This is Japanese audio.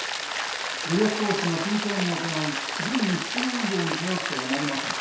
武力行使も慎重に行い軍に必要以上に頼ってはなりません。